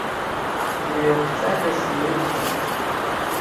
Мҩа қәҵагас иухәом.